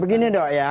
begini dong ya